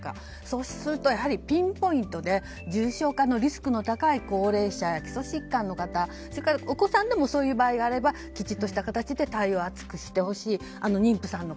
そうすると、ピンポイントで重症化のリスクの高い高齢者や基礎疾患の方お子さんもそういう場合であればきちっとした形で対応を厚くしてほしい。